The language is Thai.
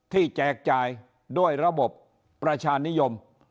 แจกจ่ายด้วยระบบประชานิยม